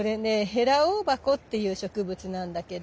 ヘラオオバコっていう植物なんだけど。